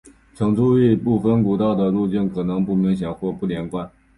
请注意部份古道的路径可能不明显或不连贯。